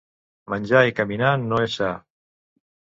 Menjar i caminar no és sa.